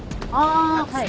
あはい。